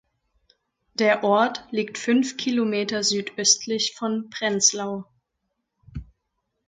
Der Ort liegt fünf Kilometer südöstlich von Prenzlau.